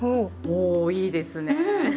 おいいですねぇ。